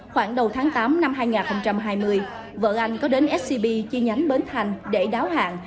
khoảng đầu tháng tám năm hai nghìn hai mươi vợ anh có đến scb chi nhánh bến thành để đáo hạng